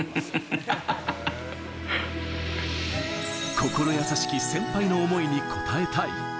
心優しき先輩の思いに応えたい。